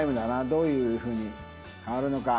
どういうふうに回るのか？